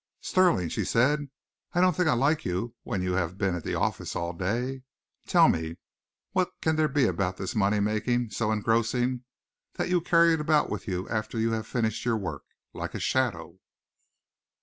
"Stirling," she said, "I don't think I like you when you have been at the office all day. Tell me, what can there be about this money making so engrossing that you carry it about with you after you have finished your work, like a shadow?"